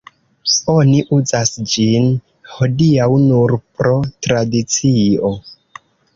Oni uzas ĝin hodiaŭ nur pro tradicio.